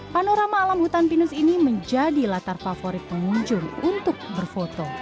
panorama alam hutan pinus ini menjadi latar favorit pengunjung untuk berfoto